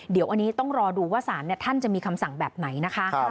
เดี๋ยวอันนี้ต้องรอดูว่าสารท่านจะมีคำสั่งแบบไหนนะคะ